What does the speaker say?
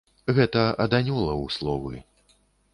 Гэта ад анёлаў словы.